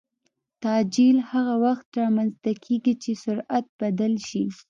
تعجیل هغه وخت رامنځته کېږي چې سرعت بدل شي.